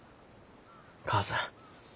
母さん。